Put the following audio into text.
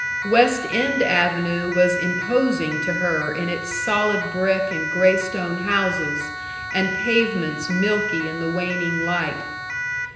West End Avenue was imposing to her in its solid brick and graystone houses, and pavements milky in the waning light.